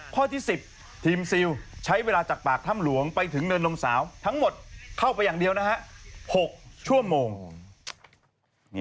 ข้อที่๑๐ทีมซิลใช้เวลาจากปากถ้ำหลวงไปถึงเนินนมสาวทั้งหมดเข้าไปอย่างเดียวนะฮะ๖ชั่วโมง